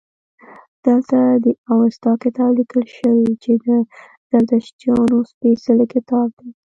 دلته د اوستا کتاب لیکل شوی چې د زردشتیانو سپیڅلی کتاب دی